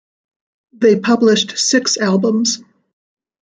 They published six albums.